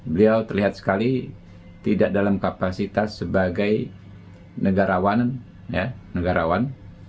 beliau terlihat sekali tidak dalam kapasitas sebagai negarawan negarawan